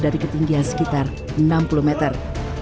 dari ketinggian sekitar enam puluh meter